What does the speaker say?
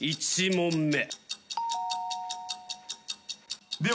２１問目。